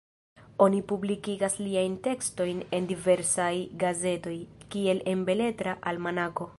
Oni publikigas liajn tekstojn en diversaj gazetoj, kiel en Beletra Almanako.